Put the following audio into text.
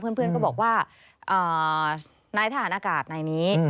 เพื่อนก็บอกว่านายทหารอากาศนายนี้